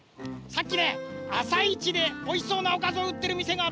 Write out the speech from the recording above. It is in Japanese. さっきね朝市でおいしそうなおかずをうってるみせがあったんだよな。